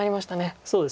そうですね